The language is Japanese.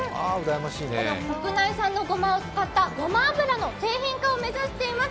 国内産のごまを使ったごま油の製品化を目指しています。